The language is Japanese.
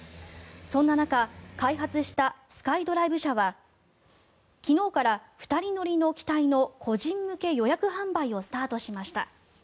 そんな中開発したスカイドライブ社は昨日から２人乗りの機体の個人向け予約販売をスタートしました。